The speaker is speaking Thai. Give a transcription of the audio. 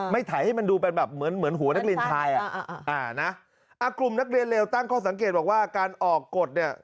ไถให้มันดูเป็นแบบเหมือนเหมือนหัวนักเรียนชายอ่ะอ่านะกลุ่มนักเรียนเลวตั้งข้อสังเกตบอกว่าการออกกฎเนี่ย